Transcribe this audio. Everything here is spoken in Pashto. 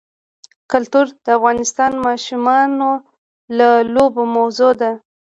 کلتور د افغان ماشومانو د لوبو موضوع ده.